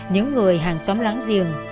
những người hàng xóm lãng giềng